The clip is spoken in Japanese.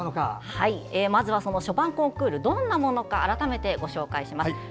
ショパンコンクールどんなものか改めてご紹介します。